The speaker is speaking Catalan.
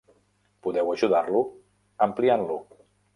Podeu ajudar-lo ampliant-lo.